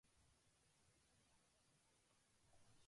昔の夢は魔法使いだった